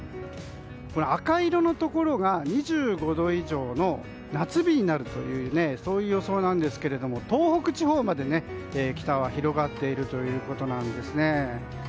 赤色のところが２５度以上の夏日になるという予想なんですけれども東北地方まで北は広がっているということなんです。